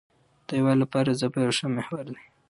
د یووالي لپاره ژبه یو ښه محور دی.